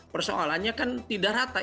persoalannya kan tidak rata